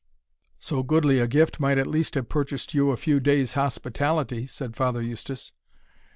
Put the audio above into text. "So goodly a gift might at least have purchased you a few days' hospitality," said Father Eustace.